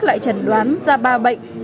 lại chẩn đoán ra ba bệnh